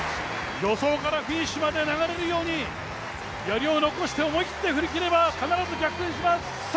助走からフィニッシュまで流れるようにやりを残して思い切って振り切れば、必ず逆転します。